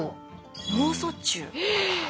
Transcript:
脳卒中。え。